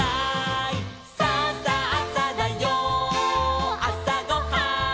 「さあさあさだよあさごはん」